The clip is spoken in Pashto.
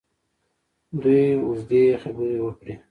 دوی اوږدې خبرې وکړې.